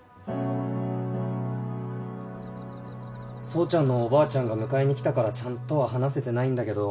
総ちゃんのおばあちゃんが迎えに来たからちゃんとは話せてないんだけど。